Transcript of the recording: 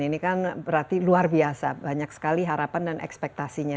ini kan berarti luar biasa banyak sekali harapan dan ekspektasinya